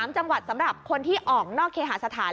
๓จังหวัดสำหรับคนที่ออกนอกเคหาสถาน